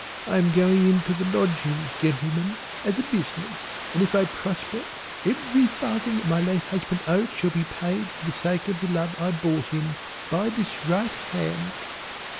I am going into the Lodgings gentlemen as a business and if I prosper every farthing that my late husband owed shall be paid for the sake of the love I bore him, by this right hand."